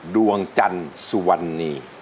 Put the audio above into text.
ดวงจันทร์ส่วนนี้